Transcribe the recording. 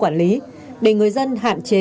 quản lý để người dân hạn chế